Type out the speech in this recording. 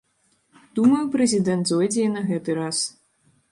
Думаю, прэзідэнт зойдзе і на гэты раз.